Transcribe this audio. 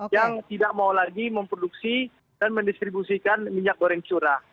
yang tidak mau lagi memproduksi dan mendistribusikan minyak goreng curah